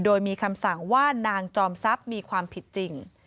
โดยมีคำสั่งว่านางจอมทรัพย์มีความผิดจริง